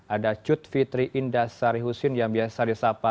ada cut fitri indah sarihusin yang biasa disapa